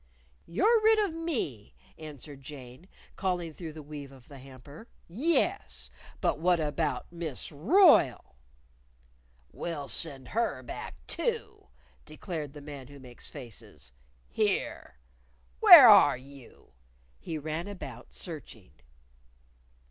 "You're rid of me," answered Jane, calling through the weave of the hamper "Yes! But how about Miss Royle?" "We'll send her back too," declared the Man Who Makes Faces. "Here! Where are you?" He ran about, searching.